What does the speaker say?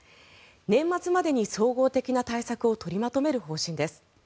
年末までに総合的な対策を取りまとめる方針です。